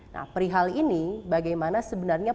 nah perihal ini bagaimana sebenarnya